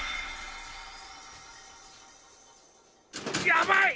やばい！